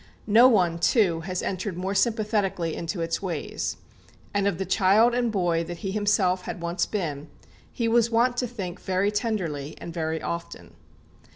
No one, too, has entered more sympathetically into its ways. And of the child and boy that he himself had once been, he was wont to think very tenderly and very often.